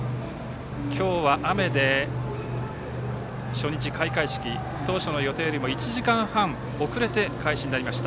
今日は雨で初日、開会式当初の予定よりも１時間半遅れて開始になりました。